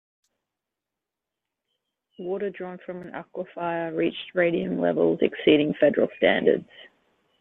Water drawn from an aquifer reached radium levels exceeding federal standards.